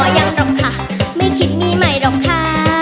ยังหรอกค่ะไม่คิดหนี้ใหม่หรอกค่ะ